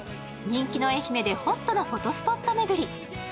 人気の愛媛でホットなフォトスポットめぐり。